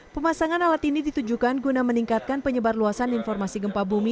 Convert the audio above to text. pemasangan alat ini ditujukan guna meningkatkan penyebar luasan informasi gempa bumi